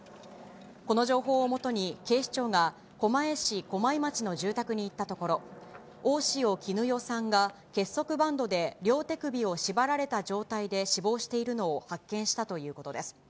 この情報を基に、警視庁が狛江市駒井町の住宅に行ったところ、大塩衣与さんが結束バンドで両手首を縛られた状態で死亡しているのを発見したということです。